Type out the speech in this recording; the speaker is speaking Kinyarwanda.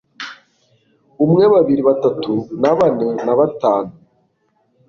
Umwe babiri batatu na bane na batanu